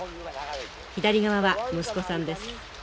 左側は息子さんです。